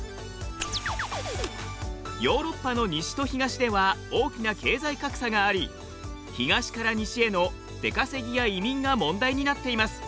ヨーロッパの西と東では大きな経済格差があり東から西への出稼ぎや移民が問題になっています。